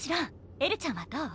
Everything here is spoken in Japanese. エルちゃんはどう？